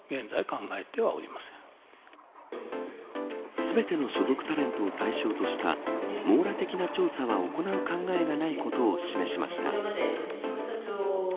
全ての所属タレントを対象とした網羅的な調査は行う考えがないことを示しました。